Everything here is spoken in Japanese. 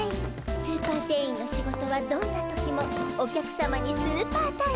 スーパー店員の仕事はどんな時もお客さまにスーパー対応すること。